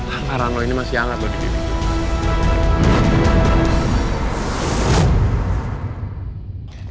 angaran lo ini masih hangat loh di bibit